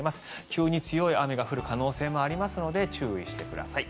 急に強い雨が降る可能性もありますので注意してください。